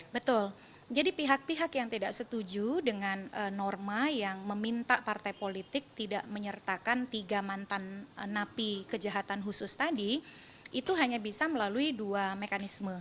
betul jadi pihak pihak yang tidak setuju dengan norma yang meminta partai politik tidak menyertakan tiga mantan napi kejahatan khusus tadi itu hanya bisa melalui dua mekanisme